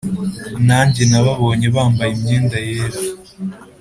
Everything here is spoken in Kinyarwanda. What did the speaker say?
Nanjye nababonye bambaye imyenda yera